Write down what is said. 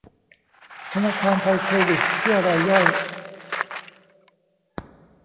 ธนาคารไทยเครดิตเพื่อรายย่อย